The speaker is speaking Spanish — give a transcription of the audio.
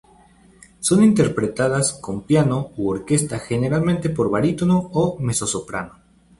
Son interpretadas con piano u orquesta generalmente por barítono o mezzosoprano.